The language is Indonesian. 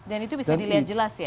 dan itu bisa dilihat jelas ya